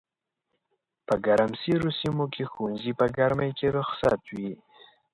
په ګرمسېرو سيمو کښي ښوونځي په ګرمۍ کي رخصت وي